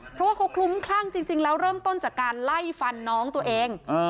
เพราะว่าเขาคลุ้มคลั่งจริงแล้วเริ่มต้นจากการไล่ฟันน้องตัวเอง